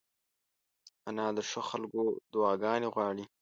انا د ښو خلکو دعاګانې غواړي